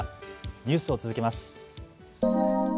ニュースを続けます。